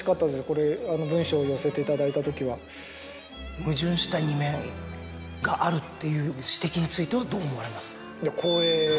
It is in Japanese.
これあの文章を寄せていただいた時は。っていう指摘についてはどう思われます？